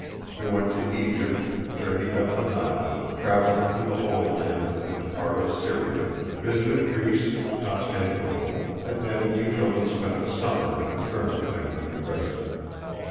We went to Egypt, journeyed up the Nile, traveled through the Holy Land and part of Syria, visited Greece and Constantinople; and then we children spent the summer in a German family in Dresden.